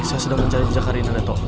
saya sedang mencari jejakarina reto